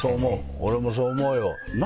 俺もそう思うよ。